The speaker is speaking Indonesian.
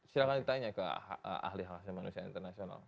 silahkan ditanya ke ahli hak asasi manusia internasional